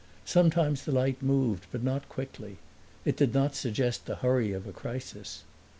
Sometimes the light moved, but not quickly; it did not suggest the hurry of a crisis.